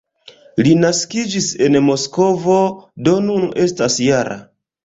Li naskiĝis en Moskvo, do nun estas -jara.